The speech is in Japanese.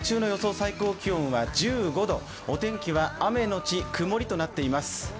最高気温は１５度、お天気は雨のち曇りとなっています。